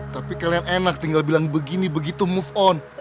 tapi kalian enak tinggal bilang begini begitu move on